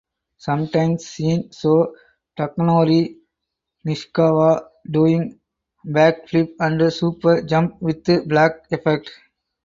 Sometimes scene show Takanori Nishikawa doing backflip and super jump with black effect.